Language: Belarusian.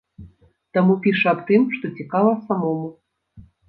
Таму піша аб тым, што цікава самому.